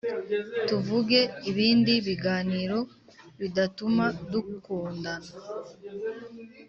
tuvuge ibindi biganiro bidatuma dukundana